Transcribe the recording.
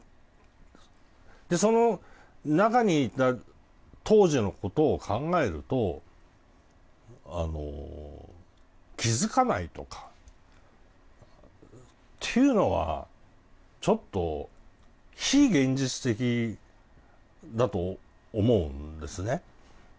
その中にいた当時のことを考えると気付かないとかっていうのはちょっと非現実的だと思うんですね。